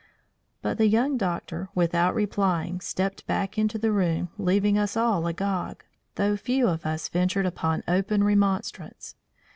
But the young doctor, without replying, stepped back into the room, leaving us all agog, though few of us ventured upon open remonstrance.